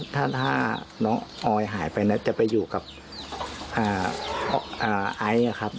ถ้าน้องออยหายไปจะไปอยู่กับไอซ์ครับ